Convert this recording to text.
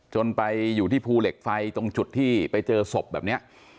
จนไปอยู่ที่ภูเหล็กไฟตรงจุดที่ไปเจอศพแบบนี้